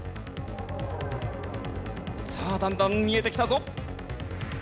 さあだんだん見えてきたぞ。